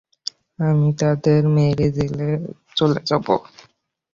আমি তাদের মেরে জেলে চলে যাব!